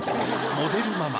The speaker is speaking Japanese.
モデルママ